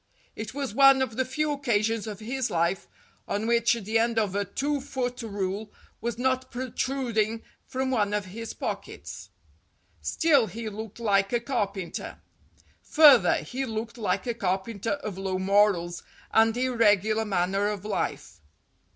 It was one of the few occasions of his life on which the end of a two foot rule was not protruding from one of his pockets. Still, he looked like a carpenter. Further, he looked like a carpenter of low morals and irregular manner of life.